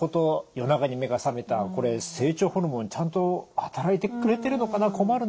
「夜中に目が覚めたこれ成長ホルモンちゃんと働いてくれてるのかな困るな」。